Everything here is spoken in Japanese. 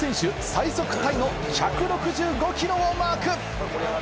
最速タイの１６５キロをマーク！